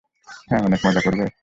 হ্যাঁ - অনেক মজা করবে?